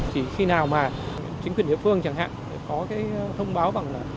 chỉ khi nào mà chính quyền địa phương chẳng hạn có thông báo